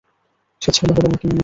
সে ছেলে হবে নাকি মেয়ে হবে।